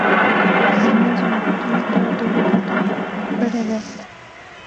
دیني جماعتونو ته ډېره ګټه کړې ده